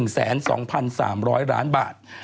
๑แสน๒พัน๓ร้อยล้านบาท